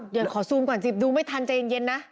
เดี๋ยวขอซูมก่อนสิดูไม่ทันใจเย็นนะ